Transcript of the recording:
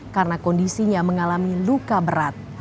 karena kondisinya mengalami luka berat